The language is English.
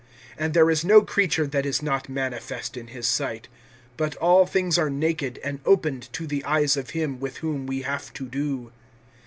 (13)And there is no creature that is not manifest in his sight; but all things are naked and opened to the eyes of him with whom we have to do.